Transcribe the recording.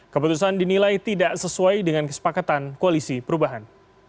keputusan dinilai tidak sesuai dengan kesepakatan koalisi perubahan